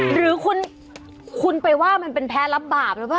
หรือคุณไปว่ามันเป็นแพ้รับบาปหรือเปล่า